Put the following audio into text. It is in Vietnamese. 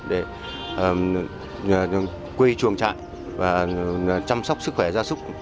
để quê chuồng trại và chăm sóc sức khỏe da súc